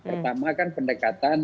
pertama kan pendekatan